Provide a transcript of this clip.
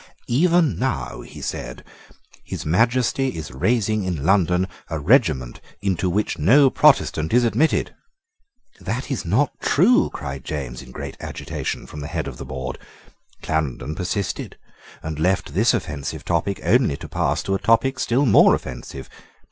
"Even now," he said, "His Majesty is raising in London a regiment into which no Protestant is admitted." "That is not true," cried James, in great agitation, from the head of the board. Clarendon persisted, and left this offensive topic only to pass to a topic still more offensive.